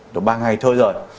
rồi ba ngày thôi rồi